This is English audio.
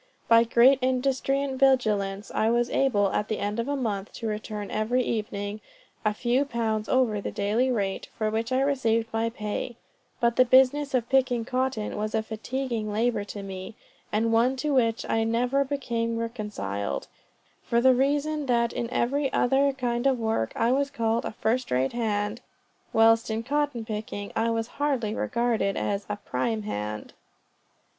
By great industry and vigilance, I was able, at the end of a month, to return every evening a few pounds over the daily rate, for which I received my pay; but the business of picking cotton was a fatiguing labor to me, and one to which I never became reconciled, for the reason that in every other kind of work I was called a first rate hand, whilst in cotton picking I was hardly regarded as a prime hand.